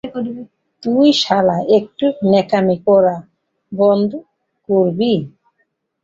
তুই শালা একটু ন্যাকামি করা বন্ধ করবি?